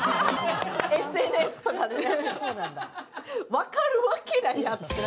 分かるわけないやん。